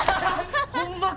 ホンマか！